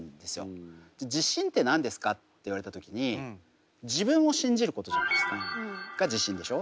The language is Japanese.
自信って何ですか？って言われた時に自分を信じることじゃないですか。が自信でしょ？